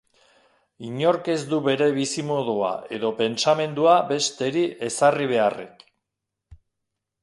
Inork ez du bere bizimodua edo pentsamendua besteri ezarri beharrik.